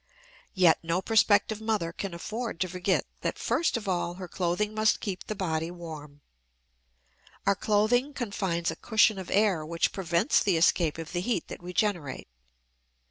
Yet no prospective mother can afford to forget that first of all her clothing must keep the body warm. Our clothing confines a cushion of air which prevents the escape of the heat that we generate.